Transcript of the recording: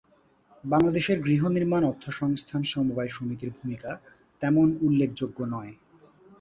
বাংলাদেশে গৃহনির্মাণ অর্থসংস্থান সমবায় সমিতির ভূমিকা তেমন উল্লেখযোগ্য নয়।